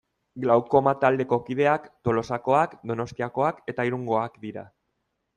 Glaukoma taldeko kideak Tolosakoak, Donostiakoak eta Irungoak dira.